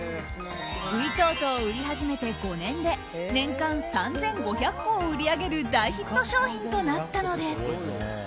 ウイトートを売り始めて５年で年間３５００個を売り上げる大ヒット商品となったのです。